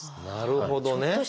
なるほどね。